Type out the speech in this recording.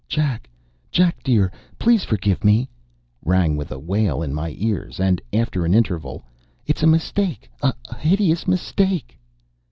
"Jack! Jack dear! Please forgive me," rang with a wail in my ears, and, after an interval: "It's a mistake, a hideous mistake!"